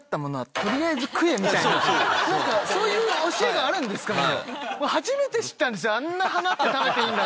何かそういう教えがあるんですかね。